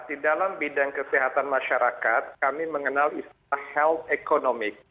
di dalam bidang kesehatan masyarakat kami mengenal istilah health economic